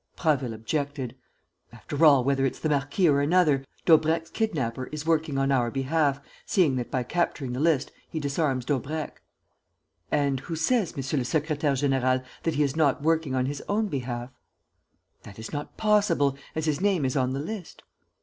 Prasville objected: "After all, whether it's the marquis or another, Daubrecq's kidnapper is working on our behalf, seeing that, by capturing the list, he disarms Daubrecq." "And who says, monsieur le secrétaire; général, that he is not working on his own behalf?" "That is not possible, as his name is on the list."